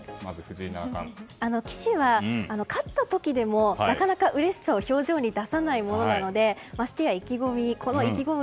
棋士は勝った時でもなかなかうれしさを表情に出さないものなのでましてや意気込み